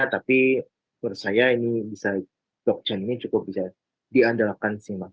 tapi menurut saya blockchain ini cukup bisa diadalkan sih mas